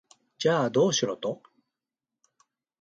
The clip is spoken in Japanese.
じゃあ、どうしろと？